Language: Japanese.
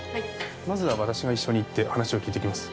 まずは私が一緒に行って話を聞いてきます。